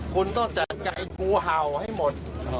คุณต้องจัดการงูเห่าให้หมด